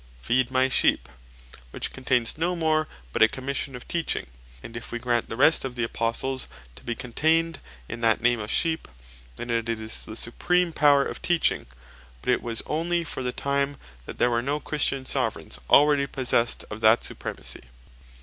"Feed my sheep;" which contains no more but a Commission of Teaching: And if we grant the rest of the Apostles to be contained in that name of Sheep; then it is the supreme Power of Teaching: but it was onely for the time that there were no Christian Soveraigns already possessed of that Supremacy.